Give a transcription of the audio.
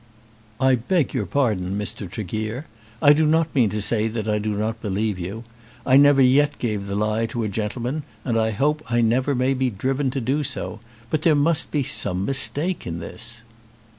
"I beg your pardon, Mr. Tregear. I do not mean to say that I do not believe you. I never yet gave the lie to a gentleman, and I hope I never may be driven to do so. But there must be some mistake in this."